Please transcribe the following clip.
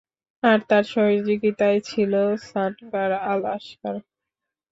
আর তার সহযোগিতায় ছিল শানকার আল-আশকার।